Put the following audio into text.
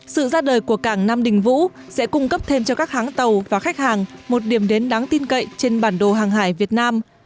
sự ra đời của cảng nam đình vũ sẽ cung cấp thêm cho các hãng tàu và khách hàng một điểm đến đáng tin cậy trên bản đồ hàng hải việt nam